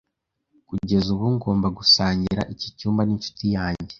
Kugeza ubu, ngomba gusangira iki cyumba ninshuti yanjye.